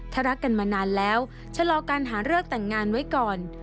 ถ้ารักกันมานานแล้วชะลอการหาเลิกแต่งงานไว้ก่อน